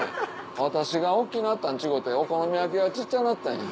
私が大っきなったん違てお好み焼きが小っちゃなったんや。